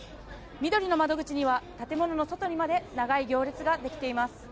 みどりの窓口には建物の外にまで長い行列ができています。